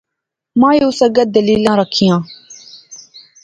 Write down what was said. مائو اس اگے دلیلاں رکھیاں